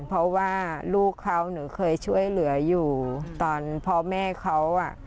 เพราะว่าลูกเขาหนูเคยช่วยเหลืออยู่ตอนพ่อแม่เขาอ่ะ